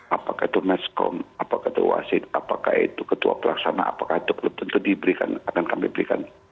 apakah itu meskom apakah itu wasit apakah itu ketua pelaksana apakah itu belum tentu diberikan akan kami berikan